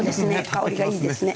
香りがいいですね。